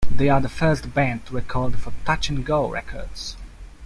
They are the first band to record for Touch and Go Records.